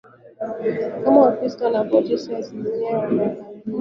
kama Wakristo Waprotestanti asilimia sita Wakatoliki kama